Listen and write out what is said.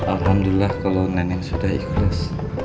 alhamdulillah kalau nenek sudah ikhlas